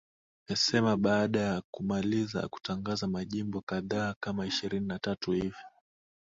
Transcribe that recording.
esema baada yakumaliza kutangaza majimbo kadhaa kama ishirini na tatu hivi